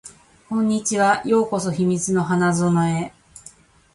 こんにちは。ようこそ秘密の花園へ